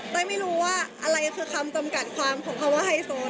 ไม่รู้ว่าอะไรคือคำจำกัดความของคำว่าไฮโซน